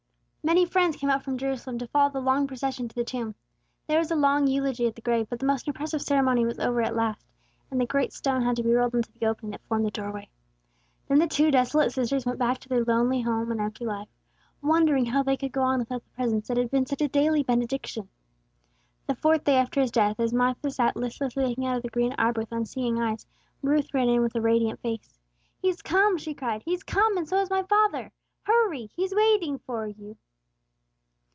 Many friends came out from Jerusalem to follow the long procession to the tomb. There was a long eulogy at the grave; but the most impressive ceremony was over at last, and the great stone had to be rolled into the opening that formed the doorway. Then the two desolate sisters went back to their lonely home and empty life, wondering how they could go on without the presence that had been such a daily benediction. The fourth day after his death, as Martha sat listlessly looking out of the green arbor with unseeing eyes, Ruth ran in with a radiant face. "He's come!" she cried. "He's come, and so has my father. Hurry! He is waiting for you!"